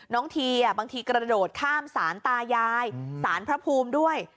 ทีบางทีกระโดดข้ามศาลตายายสารพระภูมิด้วย